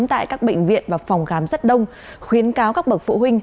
tại các bệnh viện và phòng khám rất đông khuyến cáo các bậc phụ huynh